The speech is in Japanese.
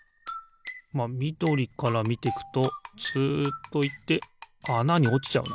まあみどりからみてくとツッといってあなにおちちゃうな。